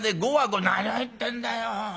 「何を言ってんだよ。